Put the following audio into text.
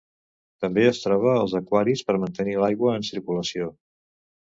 També es troba als aquaris per mantenir l'aigua en circulació.